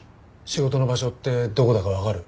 仕事の場所ってどこだかわかる？